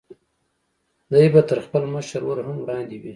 دی به تر خپل مشر ورور هم وړاندې وي.